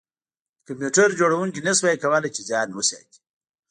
د کمپیوټر جوړونکي نشوای کولی چې ځان وساتي